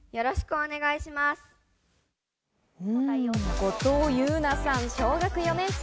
後藤優奈さん、小学４年生。